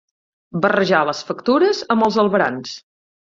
Barrejar les factures amb els albarans.